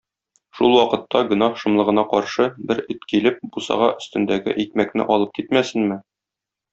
Шул вакытта гөнаһ шомлыгына каршы бер эт килеп бусага өстендәге икмәкне алып китмәсенме?